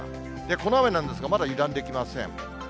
この雨なんですが、まだ油断できません。